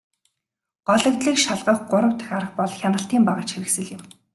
Гологдлыг шалгах гурав дахь арга бол хяналтын багажхэрэгслэл юм.